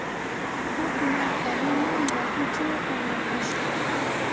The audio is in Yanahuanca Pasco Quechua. huk marka runa rahuchaw uqrakashqa.